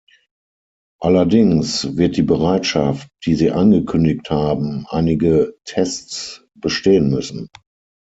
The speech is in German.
Allerdings wird die Bereitschaft, die Sie angekündigt haben, einige Tests bestehen müssen.